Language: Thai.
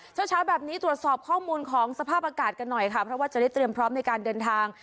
เช้าเช้าแบบนี้ตรวจสอบข้อมูลของสภาพอากาศกันหน่อยค่ะเพราะว่าจะได้เตรียมพร้อมในการเดินทาง